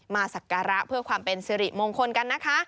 สักการะเพื่อความเป็นสิริมงคลกันนะคะ